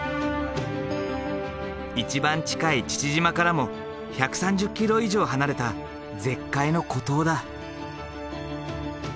１番近い父島からも１３０ｋｍ以上離れた絶海の孤島だ。